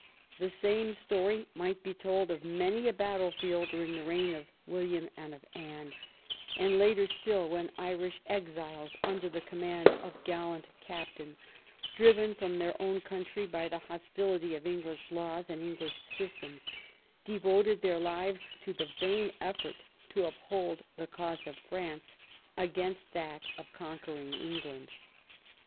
The same story might be told of many a battle field during the reign of William and of Anne, and later still when Irish exiles, under the command of gallant cap tains, driven from their own country by the hostility of English laws and English systems, devoted their * lives to the vain effort to uphold the cause of France against that of conquering England.